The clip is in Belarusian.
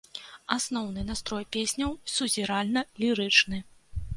Асноўны настрой песняў сузіральна-лірычны.